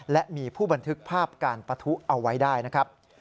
และมีผู้บันทึกภาพการปะทุเอาไว้ได้นะครับ